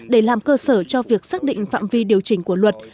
để làm cơ sở cho việc xác định phạm vi điều chỉnh của luật